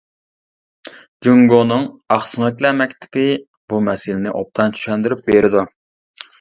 جۇڭگونىڭ «ئاقسۆڭەكلەر مەكتىپى» بۇ مەسىلىنى ئوبدان چۈشەندۈرۈپ بېرىدۇ.